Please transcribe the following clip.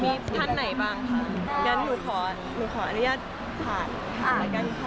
มีท่านไหนบ้างค่ะงั้นหนูขออนุญาตผ่านมากันค่ะ